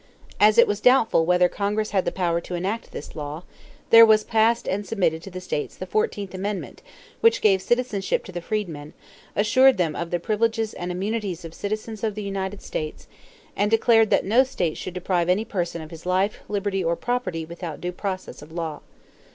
As it was doubtful whether Congress had the power to enact this law, there was passed and submitted to the states the fourteenth amendment which gave citizenship to the freedmen, assured them of the privileges and immunities of citizens of the United States, and declared that no state should deprive any person of his life, liberty, or property without due process of law.